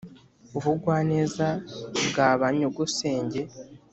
ubugwaneza bwa ba nyogosenge,